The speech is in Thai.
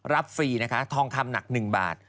ฟรีนะคะทองคำหนัก๑บาท